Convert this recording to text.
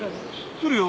来るよ。